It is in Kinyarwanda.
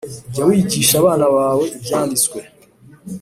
Jya wigisha abana bawe ibyanditswe